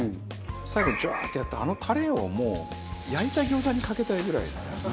最後ジュワーってやったあのタレをもう焼いた餃子にかけたいぐらいなんだよな。